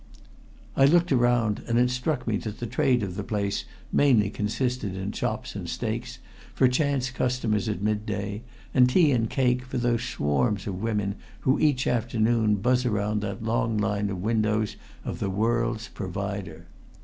I looked around, and it struck me that the trade of the place mainly consisted in chops and steaks for chance customers at mid day, and tea and cake for those swarms of women who each afternoon buzz around that long line of windows of the "world's provider."